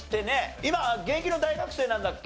今現役の大学生なんだっけ？